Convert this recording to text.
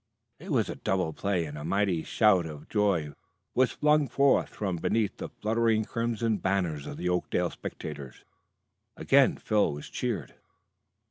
It was a double play, and a mighty shout of joy was flung forth from beneath the fluttering crimson banners of the Oakdale spectators. Again Phil was cheered.